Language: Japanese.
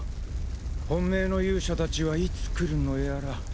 本命の勇者たちはいつ来るのやら。